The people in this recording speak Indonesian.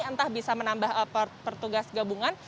entah bisa menambah pertugas gabungan